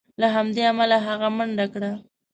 له همدې امله هغه منډه کړه.